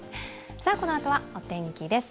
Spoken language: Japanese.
このあとはお天気です。